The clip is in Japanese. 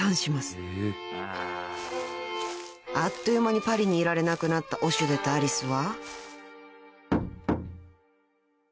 ［あっという間にパリにいられなくなったオシュデとアリスは］